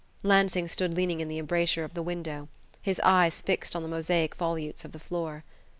Lansing stood leaning in the embrasure of the window, his eyes fixed on the mosaic volutes of the floor.